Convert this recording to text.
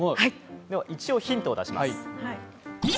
一応ヒントを出します。